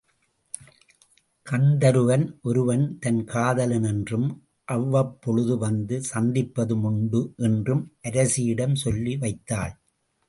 கந்தருவன் ஒருவன் தன் காதலன் என்றும், அவ்வப்பொழுது வந்து சந்திப்பதுண்டு என்றும் அரசியிடம் சொல்லி வைத்தாள்.